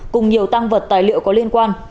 cùng nhiều tăng vật tài liệu có liên quan